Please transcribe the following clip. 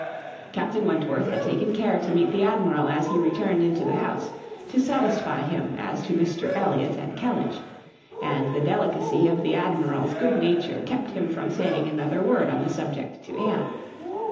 Captain Wentworth had taken care to meet the Admiral as he returned into the house, to satisfy him as to Mr. Elliot and Kellynch; and the delicacy of the Admiral's good nature kept him from saying another word on the subject to Anne.